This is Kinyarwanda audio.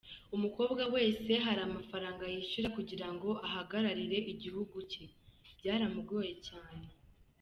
Umukobwa wese hari amafaranga yishyura kugira ngo ahagararire igihugu cye, byaramugoye cyane.